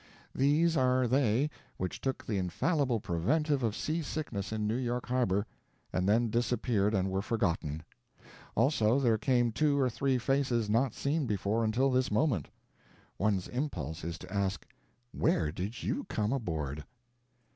These are they which took the infallible preventive of seasickness in New York harbor and then disappeared and were forgotten. Also there came two or three faces not seen before until this moment. One's impulse is to ask, "Where did you come aboard?"